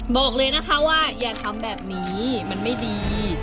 บอกเลยนะคะว่าอย่าทำแบบนี้มันไม่ดี